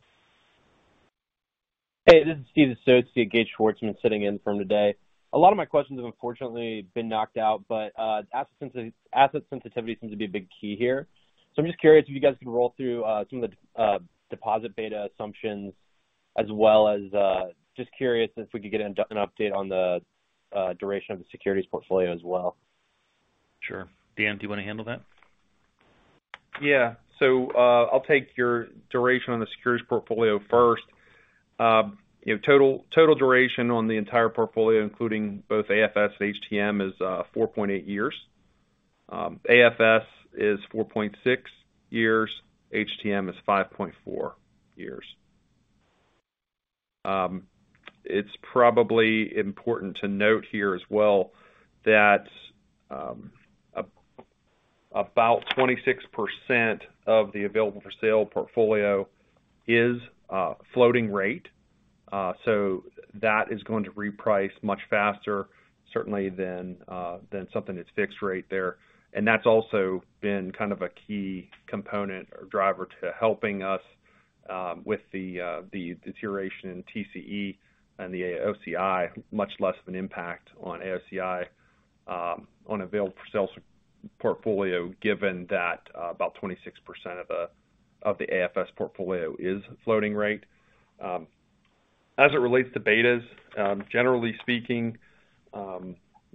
Hey, this is Steve's associate, Gage Schwartzman, sitting in for him today. A lot of my questions have unfortunately been knocked out, but, asset sensitivity seems to be a big key here. I'm just curious if you guys can roll through, some of the, deposit beta assumptions, as well as, just curious if we could get an update on the, duration of the securities portfolio as well. Sure. Dan, do you want to handle that? I'll take your duration on the securities portfolio first. You know, total duration on the entire portfolio, including both AFS and HTM, is 4.8 years. AFS is 4.6 years. HTM is 5.4 years. It's probably important to note here as well that about 26% of the available for sale portfolio is floating rate, so that is going to reprice much faster certainly than something that's fixed rate there. That's also been kind of a key component or driver to helping us with the deterioration in TCE and the AOCI, much less of an impact on AOCI on available for sale portfolio, given that about 26% of the AFS portfolio is floating rate. As it relates to betas, generally speaking,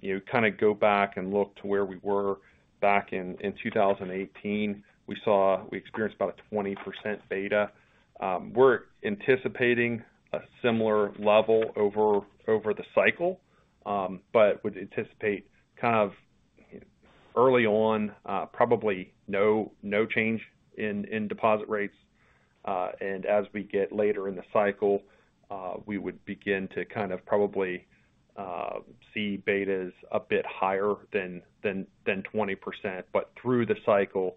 you kind of go back and look to where we were back in 2018, we experienced about a 20% beta. We're anticipating a similar level over the cycle, but would anticipate kind of early on, probably no change in deposit rates. As we get later in the cycle, we would begin to kind of probably see betas a bit higher than 20%. Through the cycle,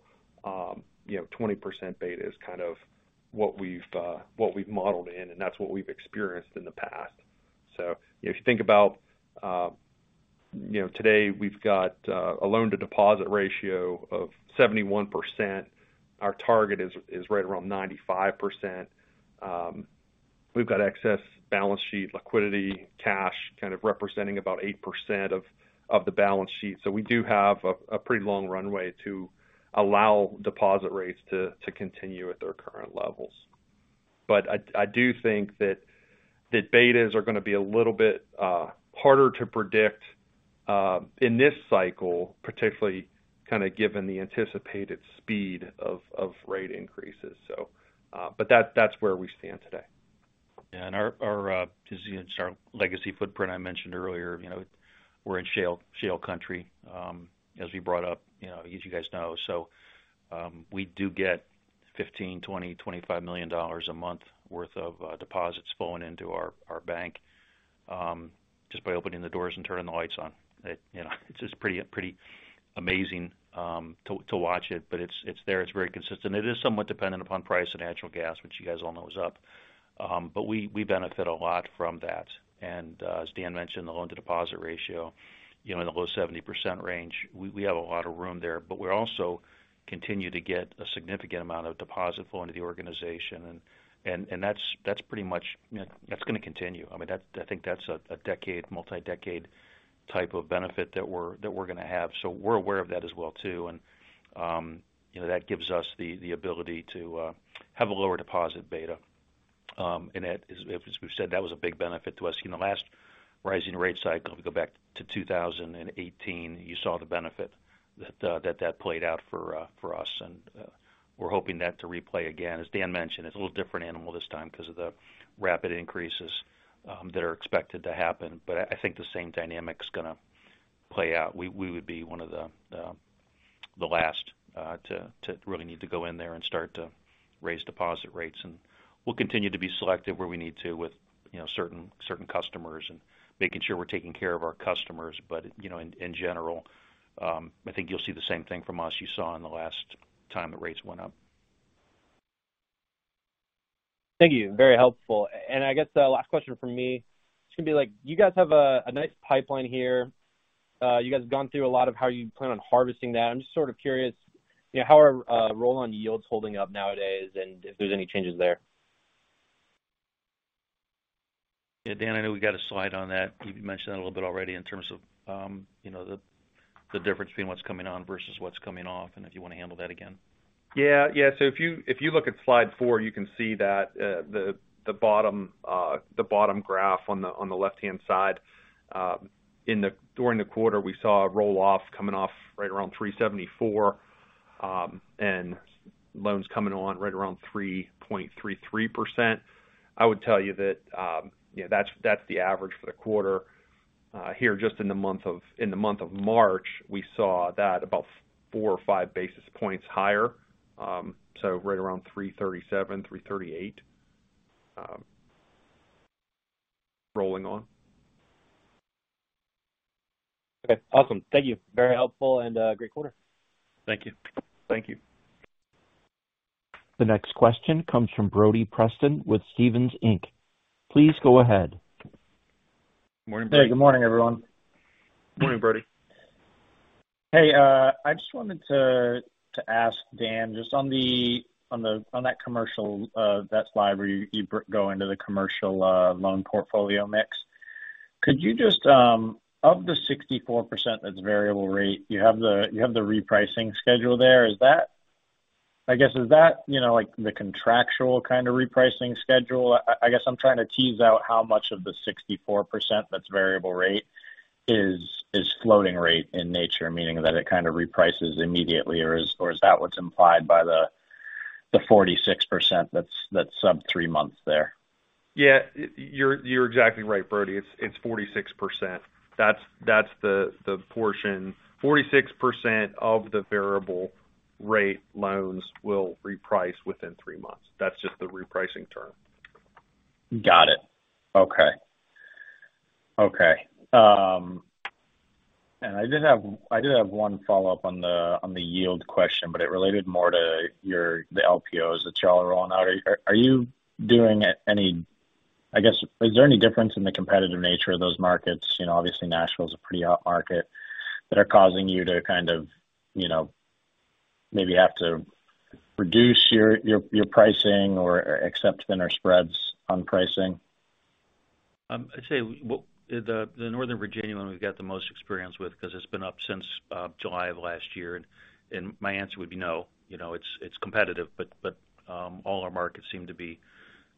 you know, 20% beta is kind of what we've modeled in, and that's what we've experienced in the past. If you think about, you know, today we've got a loan to deposit ratio of 71%. Our target is right around 95%. We've got excess balance sheet liquidity, cash kind of representing about 8% of the balance sheet. We do have a pretty long runway to allow deposit rates to continue at their current levels. I do think that betas are going to be a little bit harder to predict in this cycle, particularly kind of given the anticipated speed of rate increases. That's where we stand today. Yeah. Our legacy footprint I mentioned earlier. You know, we're in shale country, as we brought up, you know, as you guys know. We do get $15 million-$25 million a month worth of deposits flowing into our bank, just by opening the doors and turning the lights on. You know, it's just pretty amazing to watch it, but it's there. It's very consistent. It is somewhat dependent upon price of natural gas, which you guys all know is up. We benefit a lot from that. As Dan mentioned, the loan-to-deposit ratio, you know, in the low 70% range, we have a lot of room there. We also continue to get a significant amount of deposit flow into the organization. That's pretty much, you know, that's gonna continue. I mean, I think that's a decade, multi-decade type of benefit that we're gonna have. We're aware of that as well too. You know, that gives us the ability to have a lower deposit beta. And that is, as we've said, that was a big benefit to us. In the last rising rate cycle, if we go back to 2018, you saw the benefit that played out for us. We're hoping that to replay again. As Dan mentioned, it's a little different animal this time because of the rapid increases that are expected to happen. I think the same dynamic's gonna play out. We would be one of the last to really need to go in there and start to raise deposit rates. We'll continue to be selective where we need to with, you know, certain customers and making sure we're taking care of our customers. You know, in general, I think you'll see the same thing from us you saw in the last time the rates went up. Thank you. Very helpful. I guess the last question from me, it's gonna be like, you guys have a nice pipeline here. You guys have gone through a lot of how you plan on harvesting that. I'm just sort of curious, you know, how are roll-on yields holding up nowadays, and if there's any changes there? Yeah. Dan, I know we got a slide on that. You've mentioned that a little bit already in terms of, you know, the difference between what's coming on versus what's coming off, and if you want to handle that again. If you look at slide four, you can see that the bottom graph on the left-hand side. During the quarter, we saw a roll-off coming off right around 3.74%, and loans coming on right around 3.33%. I would tell you that that's the average for the quarter. Here, just in the month of March, we saw that about four or five basis points higher, so right around 3.37%-3.38%, rolling on. Okay. Awesome. Thank you. Very helpful and great quarter. Thank you. Thank you. The next question comes from Brody Preston with Stephens Inc. Please go ahead. Morning, Brody. Hey, good morning, everyone. Morning, Brody. Hey, I just wanted to ask Dan, just on that commercial that slide where you go into the commercial loan portfolio mix. Could you just of the 64% that's variable rate, you have the repricing schedule there. Is that, I guess, is that, you know, like the contractual kind of repricing schedule? I guess I'm trying to tease out how much of the 64% that's variable rate is floating rate in nature, meaning that it kind of reprices immediately, or is that what's implied by the 46% that's sub three months there? Yeah. You're exactly right, Brody. It's 46%. That's the portion. 46% of the variable rate loans will reprice within three months. That's just the repricing term. Got it. Okay. I did have one follow-up on the yield question, but it related more to the LPOs that y'all are rolling out. Is there any difference in the competitive nature of those markets, you know, obviously Nashville is a pretty hot market, that are causing you to kind of, you know, maybe have to reduce your pricing or accept thinner spreads on pricing? I'd say the Northern Virginia one we've got the most experience with because it's been up since July of last year. My answer would be no. You know, it's competitive, but all our markets seem to be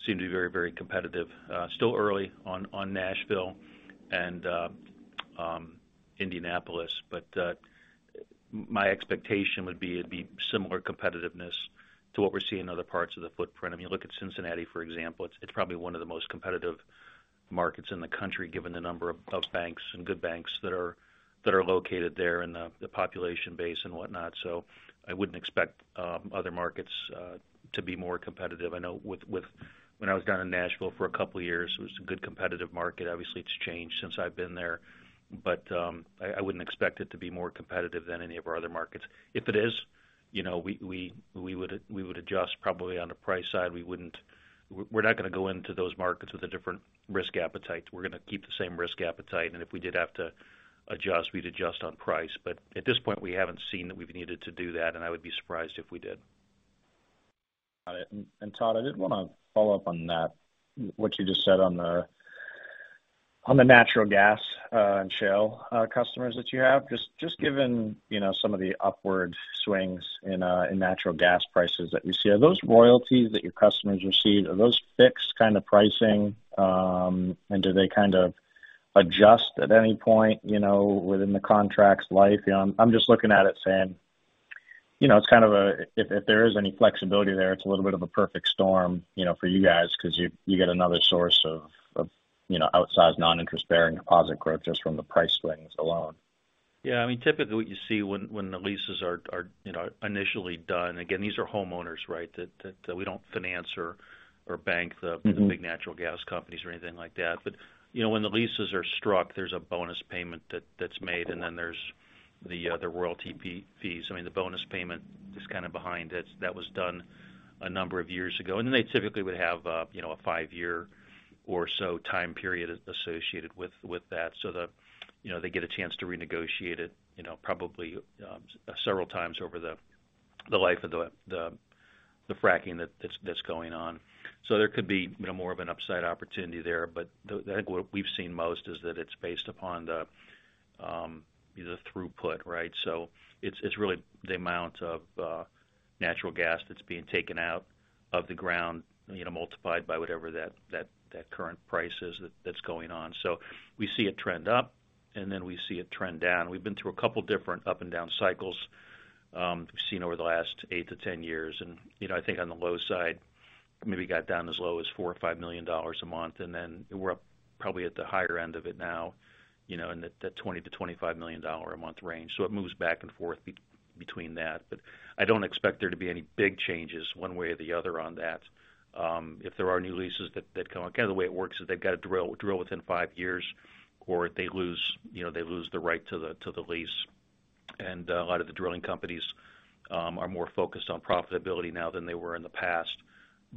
very competitive. Still early on Nashville and Indianapolis, but my expectation would be it'd be similar competitiveness to what we're seeing in other parts of the footprint. I mean, look at Cincinnati, for example. It's probably one of the most competitive markets in the country, given the number of banks and good banks that are located there and the population base and whatnot. I wouldn't expect other markets to be more competitive. I know when I was down in Nashville for a couple of years, it was a good competitive market. Obviously, it's changed since I've been there. I wouldn't expect it to be more competitive than any of our other markets. If it is, you know, we would adjust probably on the price side. We're not gonna go into those markets with a different risk appetite. We're gonna keep the same risk appetite. If we did have to adjust, we'd adjust on price. At this point, we haven't seen that we've needed to do that, and I would be surprised if we did. Got it. Todd, I did want to follow up on that, what you just said on the natural gas and shale customers that you have. Just given, you know, some of the upward swings in natural gas prices that we see, are those royalties that your customers receive, are those fixed kind of pricing? Do they kind of adjust at any point, you know, within the contract's life? You know, I'm just looking at it saying, you know, it's kind of a. If there is any flexibility there, it's a little bit of a perfect storm, you know, for you guys because you get another source of, you know, outsized non-interest-bearing deposit growth just from the price swings alone. Yeah. I mean, typically what you see when the leases are, you know, initially done. Again, these are homeowners, right? That we don't finance or bank the big natural gas companies or anything like that. You know, when the leases are struck, there's a bonus payment that's made, and then there's the royalty fees. I mean, the bonus payment is kind of behind it. That was done a number of years ago. They typically would have, you know, a five-year or so time period associated with that. You know, they get a chance to renegotiate it, you know, probably several times over the life of the fracking that's going on. There could be, you know, more of an upside opportunity there. But the I think what we've seen most is that it's based upon the you know the throughput right? It's really the amount of natural gas that's being taken out of the ground you know multiplied by whatever that current price is that's going on. We see it trend up and then we see it trend down. We've been through a couple different up and down cycles we've seen over the last 8-10 years. You know I think on the low side maybe got down as low as $4 or $5 million a month and then we're up probably at the higher end of it now you know in the $20 million-$25 million a month range. It moves back and forth between that. I don't expect there to be any big changes one way or the other on that. If there are new leases that come up. Kind of the way it works is they've got to drill within five years or they lose, you know, the right to the lease. A lot of the drilling companies are more focused on profitability now than they were in the past.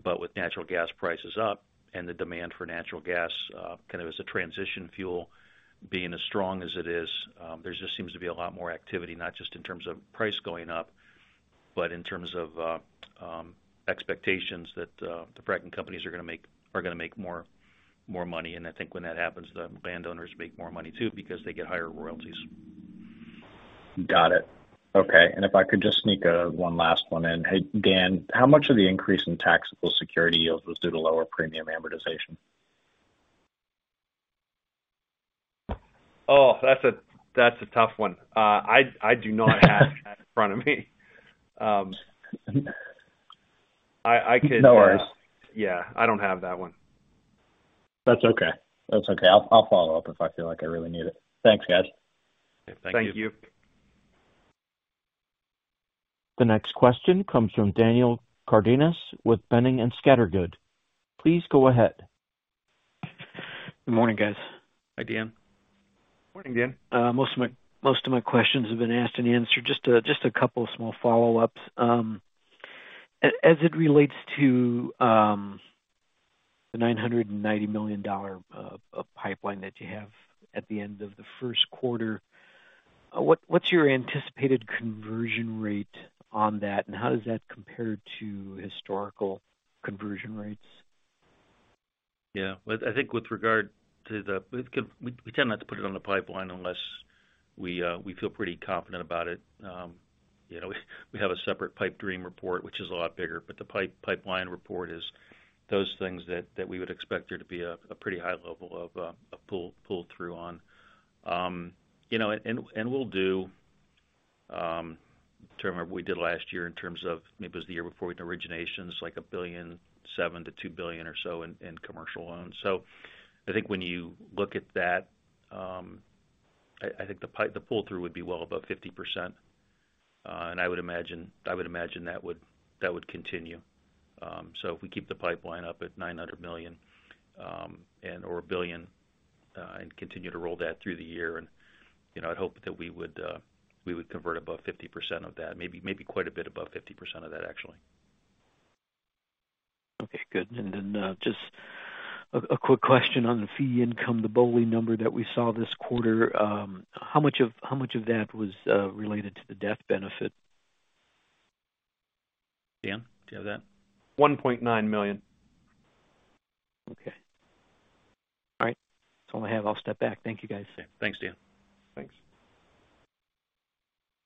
With natural gas prices up and the demand for natural gas kind of as a transition fuel being as strong as it is, there just seems to be a lot more activity, not just in terms of price going up, but in terms of expectations that the fracking companies are gonna make more money. I think when that happens, the landowners make more money too because they get higher royalties. Got it. Okay. If I could just sneak one last one in. Hey, Dan, how much of the increase in taxable security yields was due to lower premium amortization? Oh, that's a tough one. I do not have that in front of me. I could. No worries. Yeah, I don't have that one. That's okay. I'll follow up if I feel like I really need it. Thanks, guys. Thank you. Thank you. The next question comes from Daniel Cardenas with Boenning & Scattergood. Please go ahead. Good morning, guys. Hi, Dan. Morning, Dan. Most of my questions have been asked and answered. Just a couple of small follow-ups. As it relates to the $990 million pipeline that you have at the end of the Q1, what's your anticipated conversion rate on that, and how does that compare to historical conversion rates? Yeah. We tend not to put it on the pipeline unless we feel pretty confident about it. You know, we have a separate pipe dream report, which is a lot bigger. The pipeline report is those things that we would expect there to be a pretty high level of pull through on. You know, and we'll do. Trying to remember what we did last year in terms of. Maybe it was the year before in originations, like $1.7 billion-$2 billion or so in commercial loans. I think when you look at that, the pull through would be well above 50%. I would imagine that would continue. If we keep the pipeline up at $900 million or $1 billion and continue to roll that through the year, you know, I'd hope that we would convert above 50% of that. Maybe quite a bit above 50% of that, actually. Okay, good. Just a quick question on the fee income, the BOLI number that we saw this quarter. How much of that was related to the death benefit? Dan, do you have that? $1.9 million. Okay. All right. That's all I have. I'll step back. Thank you, guys. Thanks, Dan. Thanks.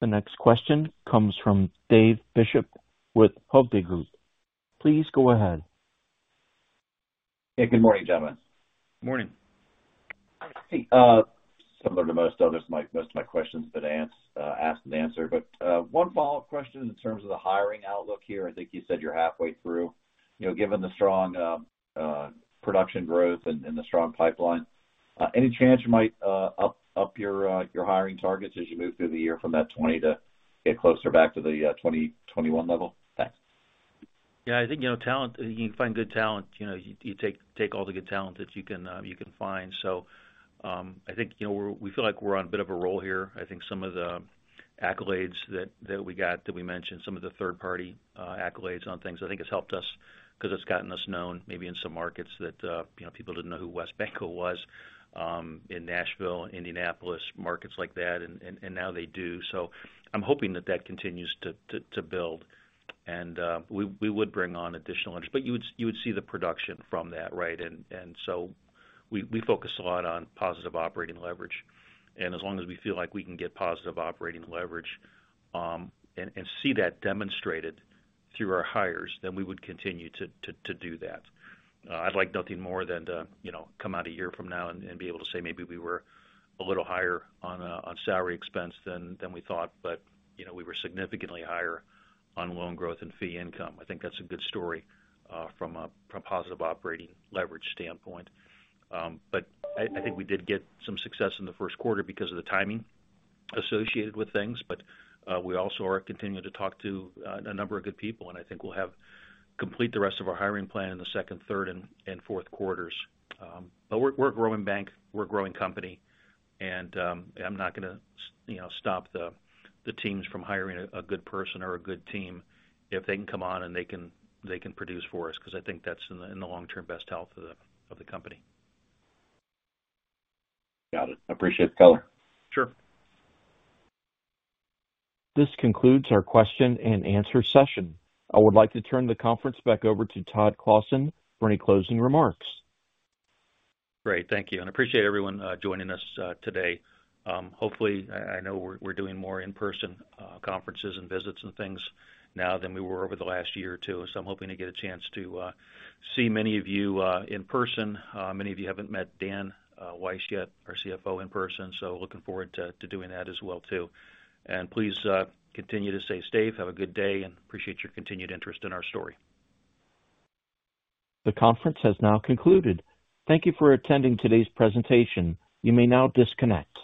The next question comes from David Bishop with Hovde Group. Please go ahead. Yeah, good morning, gentlemen. Morning. Hey, similar to most others, most of my questions have been asked and answered. One follow-up question in terms of the hiring outlook here. I think you said you're halfway through. You know, given the strong production growth and the strong pipeline, any chance you might up your hiring targets as you move through the year from that 20 to get closer back to the 2021 level? Thanks. Yeah, I think, you know, talent, you can find good talent. You know, you take all the good talent that you can find. I think, you know, we feel like we're on a bit of a roll here. I think some of the accolades that we got, that we mentioned, some of the third party accolades on things, I think has helped us because it's gotten us known maybe in some markets that you know people didn't know who WesBanco was in Nashville, Indianapolis, markets like that. Now they do. I'm hoping that that continues to build. We would bring on additional interest, but you would see the production from that, right? We focus a lot on positive operating leverage. As long as we feel like we can get positive operating leverage, and see that demonstrated through our hires, then we would continue to do that. I'd like nothing more than to, you know, come out a year from now and be able to say, maybe we were a little higher on salary expense than we thought. You know, we were significantly higher on loan growth and fee income. I think that's a good story from a positive operating leverage standpoint. I think we did get some success in the Q1 because of the timing associated with things. We also are continuing to talk to a number of good people, and I think we'll have complete the rest of our hiring plan in the second, third, and fourth quarters. We're a growing bank. We're a growing company. I'm not gonna stop the teams from hiring a good person or a good team if they can come on and they can produce for us, because I think that's in the long term best health of the company. Got it. I appreciate the color. Sure. This concludes our question and answer session. I would like to turn the conference back over to Todd Clossin for any closing remarks. Great. Thank you, and appreciate everyone joining us today. Hopefully, I know we're doing more in-person conferences and visits and things now than we were over the last year or two. I'm hoping to get a chance to see many of you in person. Many of you haven't met Dan Weiss yet, our CFO, in person, so looking forward to doing that as well too. Please continue to stay safe. Have a good day, and appreciate your continued interest in our story. The conference has now concluded. Thank you for attending today's presentation. You may now disconnect.